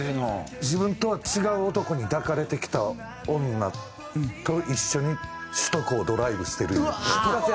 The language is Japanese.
自分とは違う男に抱かれてきた女と一緒に首都高をドライブしてる。